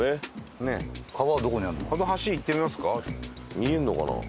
見えるのかな？